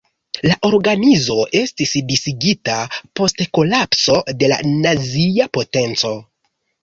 La organizo estis disigita post kolapso de la nazia potenco.